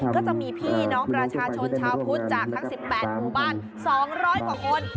ก็จะมีพี่น้องประชาชนชาวพุทธจากทั้ง๑๘หมู่บ้าน๒๐๐กว่าคน